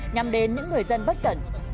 nhằm đến những người dân bất cẩn